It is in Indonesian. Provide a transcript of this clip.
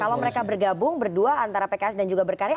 kalau mereka bergabung berdua antara pks dan juga berkarya